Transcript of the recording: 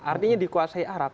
artinya dikuasai arab